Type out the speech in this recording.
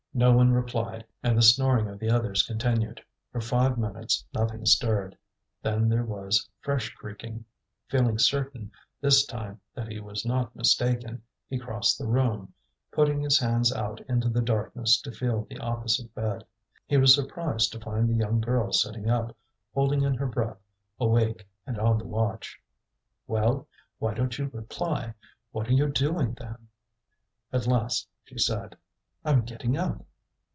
No one replied, and the snoring of the others continued. For five minutes nothing stirred. Then there was fresh creaking. Feeling certain this time that he was not mistaken, he crossed the room, putting his hands out into the darkness to feel the opposite bed. He was surprised to find the young girl sitting up, holding in her breath, awake and on the watch. "Well! why don't you reply? What are you doing, then?" At last she said: "I'm getting up."